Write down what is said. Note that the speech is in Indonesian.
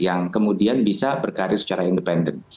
yang kemudian bisa berkarir secara independen